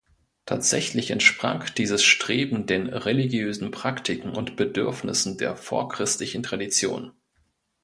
Tatsächlich entsprang dieses Streben den religiösen Praktiken und Bedürfnissen der vorchristlichen Tradition.